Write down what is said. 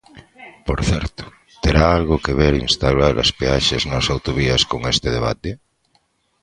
Por certo, ¿terá algo que ver instaurar as peaxes nas autovías con este debate?